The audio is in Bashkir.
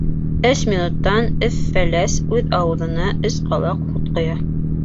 Өс минуттан Өф-Фәләс үҙ ауыҙына өс ҡалаҡ һут ҡоя!